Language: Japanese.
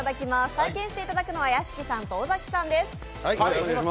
体験していただくのは屋敷さんと尾崎さんです。